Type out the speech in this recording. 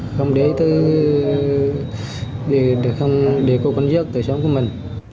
không để cô con giết tội phạm của mình